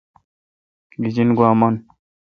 گیجن گوا من۔